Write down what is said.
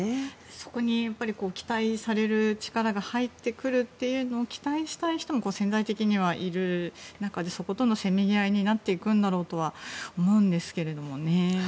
そこに期待される力が入ってくるのを期待したい人も潜在的に入る中でそことのせめぎ合いになっていくんだろうとは思いますがね。